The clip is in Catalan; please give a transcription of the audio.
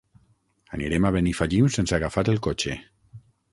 Anirem a Benifallim sense agafar el cotxe.